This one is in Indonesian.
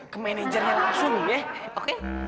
ke managernya langsung ya oke